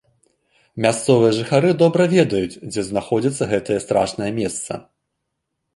Мясцовыя жыхары добра ведаюць, дзе знаходзіцца гэтае страшнае месца.